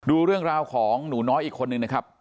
ดูเรื่องราวของหนูน้อยอีกคนนึงนะครับ